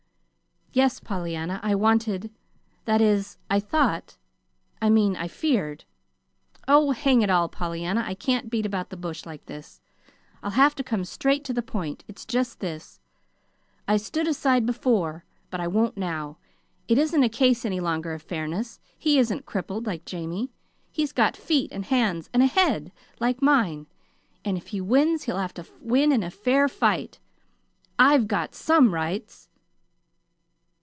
"Yes, Pollyanna; I wanted that is, I thought I mean, I feared Oh, hang it all, Pollyanna, I can't beat about the bush like this. I'll have to come straight to the point. It's just this. I stood aside before, but I won't now. It isn't a case any longer of fairness. He isn't crippled like Jamie. He's got feet and hands and a head like mine, and if he wins he'll have to win in a fair fight. I'VE got some rights!"